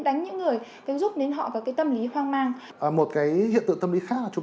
đánh những người cứ giúp đến họ và cái tâm lý hoang mang một cái hiện tượng tâm lý khác chúng